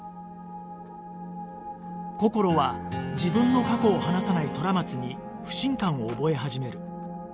こころは自分の過去を話さない虎松に不信感を覚え始める